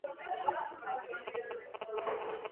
თირკმლები მონაწილეობას იღებენ სისხლის შედედების პროცესებში.